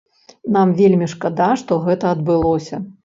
Нам вельмі шкада, што гэта адбылося.